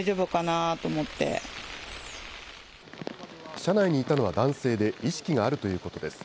車内にいたのは男性で意識があるということです。